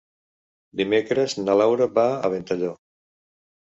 Dimecres na Laura va a Ventalló.